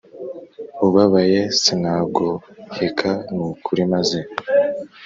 Ubabaye sinagoheka nukuri maze